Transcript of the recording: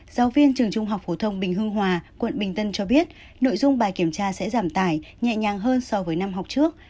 giáo viên trường trung học phổ thông bình hưng hòa quận bình tân cho biết nội dung bài kiểm tra sẽ giảm tải nhẹ nhàng hơn so với năm học trước